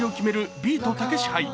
ビートたけし杯。